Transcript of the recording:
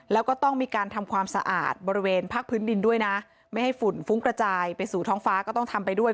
แล้วก็ต้องมีการทำความสะอาดบริเวณภาคพื้นดินด้วยนะไม่ให้ฝุ่นฟุ้งกระจายไปสู่ท้องฟ้าก็ต้องทำไปด้วย